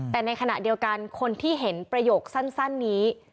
แต่ในขณะเดียวกันคนที่เห็นประโยคสั้นนี้